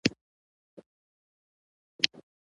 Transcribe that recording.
دا ماشوم په باغ کې لوبې کوي.